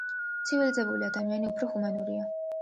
ცივილიზებული ადამიანი უფრო ჰუმანურია.